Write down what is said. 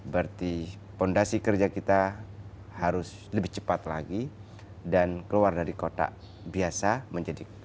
berarti fondasi kerja kita harus lebih cepat lagi dan keluar dari kotak biasa